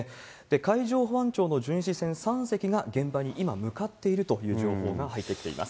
海上保安庁の巡視船３隻が、現場に今、向かっているという情報が入ってきています。